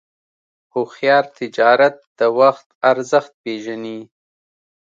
هوښیار تجارت د وخت ارزښت پېژني.